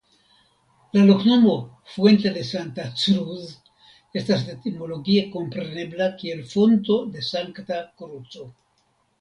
La loknomo "Fuente de Santa Cruz" estas etimologie komprenebla kiel Fonto de Sankta Kruco.